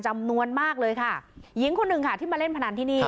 จำนวนมากเลยค่ะหญิงคนหนึ่งค่ะที่มาเล่นพนันที่นี่